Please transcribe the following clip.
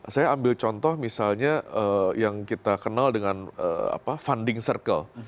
saya ambil contoh misalnya yang kita kenal dengan funding circle